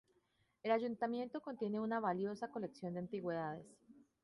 El ayuntamiento contiene una valiosa colección de antigüedades.